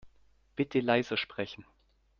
Bitte leiser sprechen.